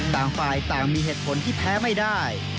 ต่างฝ่ายต่างมีเหตุผลที่แพ้ไม่ได้